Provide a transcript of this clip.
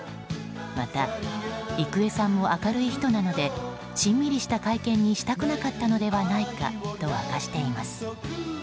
また、郁恵さんも明るい人なのでしんみりした会見にしたくなかったのではないかと明かしています。